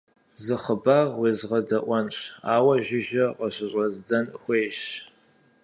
Зы хъыбар уезгъэдэӀуэнщ, ауэ жыжьэ къыщыщӀэздзэн хуейщ.